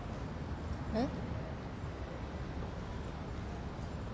えっ？